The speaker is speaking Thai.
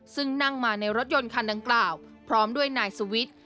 ซึ่งนั่งมาในรถยนต์คันดังกล่าวพร้อมด้วยนายสุวิทย์